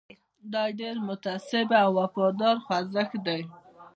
دا ډېر متعصب او وفادار خوځښت دی.